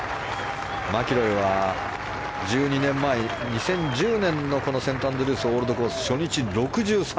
マキロイは１２年前２０１０年のこのセントアンドリュースオールドコースで初日、６３。